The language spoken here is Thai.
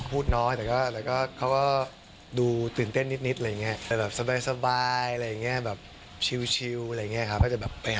พูดน้อยแต่ก็ดูตื่นเต้นนิดอะไรอังี้